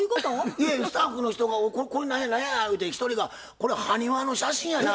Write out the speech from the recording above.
いやスタッフの人が「これ何や何や？」言うて一人が「これ埴輪の写真やな」